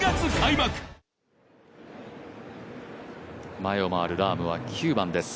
前を回るラームは９番です。